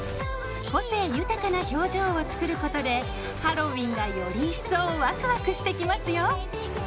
個性豊かな表情を作ることでハロウィーンがより一層ワクワクしてきますよ。